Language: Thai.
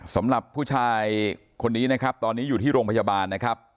สำหรับผู้ชายคนนี้นะครับตอนนี้อยู่ที่โรงพยาบาลนะครับ